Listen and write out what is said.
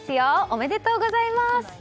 おめでとうございます。